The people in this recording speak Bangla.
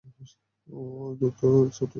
ওই ধূর্ত ছোট শিয়ালটা!